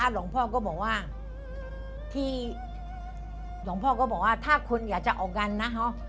หลวงพ่อก็บอกว่าถ้าคุณอยากจะออกการนะฮะ